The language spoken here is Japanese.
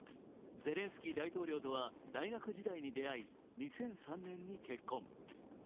ゼレンスキー大統領とは大学時代に出会い、２００３年に結婚。